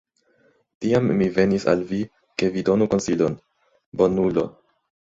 Tiam mi venis al vi, ke vi donu konsilon, bonulo!